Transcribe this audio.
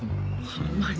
あんまり。